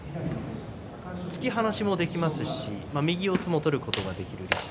突き放しもできますし右四つを取ることもできます。